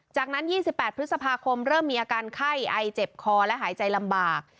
จากนั้น๒๘พฤษภาคมเริ่มมีอาการไข้ไอเจ็บคอและหายใจลำบาก